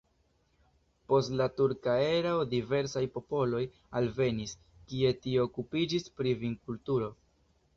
Post la turka erao diversaj popoloj alvenis, kie tie okupiĝis pri vinkulturo.